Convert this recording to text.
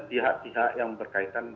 pihak pihak yang berkaitan